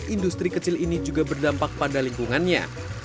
industri kecil ini juga berdampak pada lingkungannya